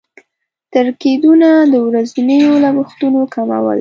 تر کېدونه د ورځنيو لګښتونو کمول.